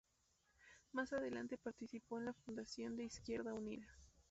Más adelante participó en la fundación de Izquierda Unida.